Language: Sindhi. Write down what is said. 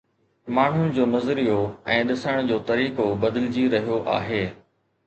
ماڻهن جو نظريو ۽ ڏسڻ جو طريقو بدلجي رهيو آهي